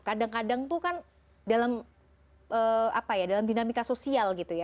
kadang kadang tuh kan dalam dinamika sosial gitu ya